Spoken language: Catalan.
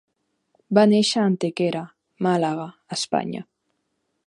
Va néixer a Antequera, Màlaga, Espanya.